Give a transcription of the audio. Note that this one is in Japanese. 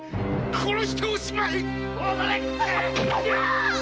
殺しておしまい！